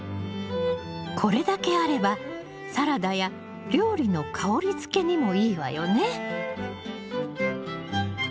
これだけあればサラダや料理の香りづけにもいいわよね。